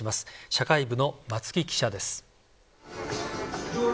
社会部の松木記者です。